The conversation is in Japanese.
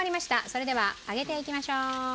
それではあげていきましょう。